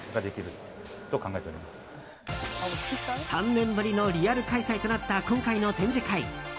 ３年ぶりのリアル開催となった今回の展示会。